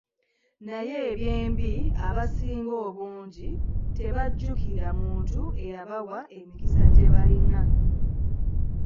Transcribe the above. Naye eby’embi, abasinga obungi tebajjukira muntu eyabawa emikisa gye balina.